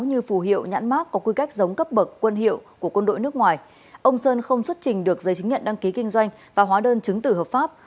như phù hiệu nhãn mát có quy cách giống cấp bậc quân hiệu của quân đội nước ngoài ông sơn không xuất trình được giấy chứng nhận đăng ký kinh doanh và hóa đơn chứng tử hợp pháp